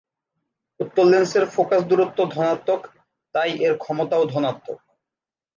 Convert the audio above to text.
উত্তল লেন্সের ফোকাস দূরত্ব ধনাত্মক, তাই এর ক্ষমতাও ধনাত্মক।